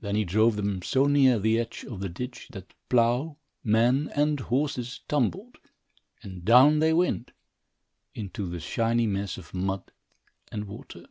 Then he drove them so near the edge of the ditch that plough, man, and horses tumbled, and down they went, into the shiny mess of mud and water.